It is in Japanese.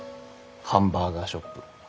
ハンバーガーショップ。